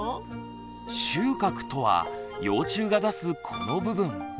臭角とは幼虫が出すこの部分。